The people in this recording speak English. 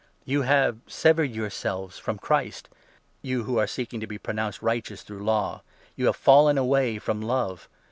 You have severed 4 yourselves from Christ — you who are seeking to be pronounced righteous through Law ; you have fallen away from love.